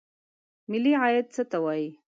ملي عاید څه ته وایي؟